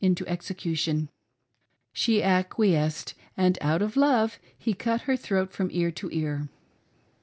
into execution. She acquiesced, and ozii of love he cut her throat from ear to ear.